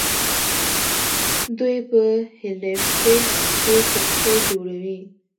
دوی په هیلیفیکس کې کښتۍ جوړوي.